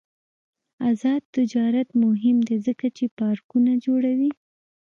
آزاد تجارت مهم دی ځکه چې پارکونه جوړوي.